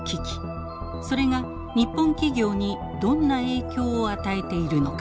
それが日本企業にどんな影響を与えているのか。